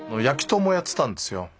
焼き豚もやってたんですよ。